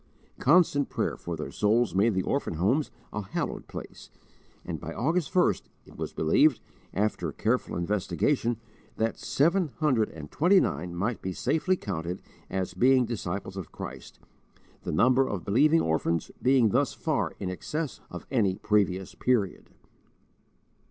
Constant prayer for their souls made the orphan homes a hallowed place, and by August 1st, it was believed, after careful investigation, that seven hundred and twenty nine might be safely counted as being disciples of Christ, the number of believing orphans being thus far in excess of any previous period.